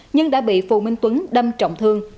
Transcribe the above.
nhưng đã bị phù minh tuấn đâm trọng thương